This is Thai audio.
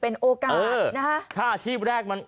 นี่แหละ